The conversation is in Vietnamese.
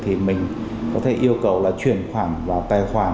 thì mình có thể yêu cầu là chuyển khoản vào tài khoản